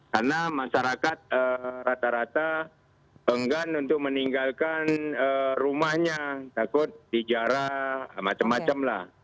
karena masyarakat rata rata penggan untuk meninggalkan rumahnya takut dijarah macam macam lah